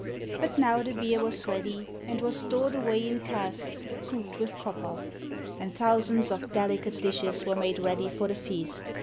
But now the beer was ready and was stored away in casks hooped with copper, and thousands of delicate dishes were made ready for the feast.